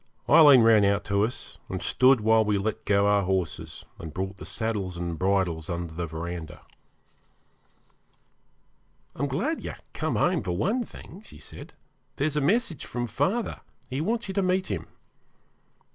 Aileen ran out to us, and stood while we let go our horses, and brought the saddles and bridles under the verandah. 'I'm glad you're come home for one thing,' she said. 'There is a message from father. He wants you to meet him.'